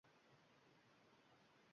Yo oshno bo‘libmi hayajon, havas